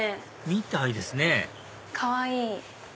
みたいですねかわいい！